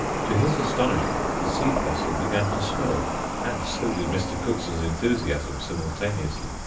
To his astonishment the seed vessel began to swell, and so did Mr. Cookson's enthusiasm simultaneously.